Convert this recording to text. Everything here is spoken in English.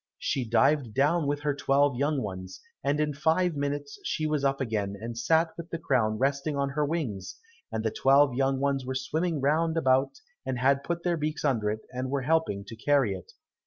She dived down with her twelve young ones, and in five minutes she was up again and sat with the crown resting on her wings, and the twelve young ones were swimming round about and had put their beaks under it, and were helping to carry it.